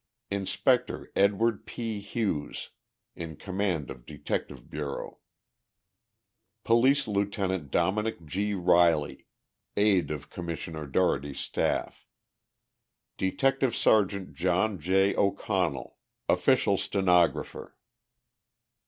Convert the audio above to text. INSPECTOR EDWARD P. HUGHES, in command of Detective Bureau. POLICE LIEUTENANT DOMINICK G. RILEY, Aide of Commissioner Dougherty's staff. DETECTIVE SERGT JOHN J. O'CONNELL, Official Stenographer.